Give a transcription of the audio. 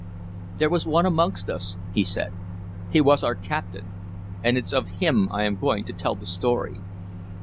"There was one amongst us," he said, "he was our captain, and it's of him I am going to tell the story.